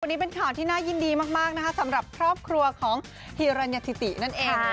วันนี้เป็นข่าวที่น่ายินดีมากนะคะสำหรับครอบครัวของฮีรัญธิตินั่นเอง